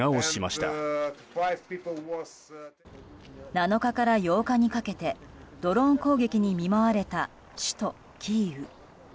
７日から８日にかけてドローン攻撃に見舞われた首都キーウ。